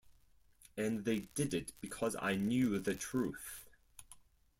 And they did it because I knew the truth.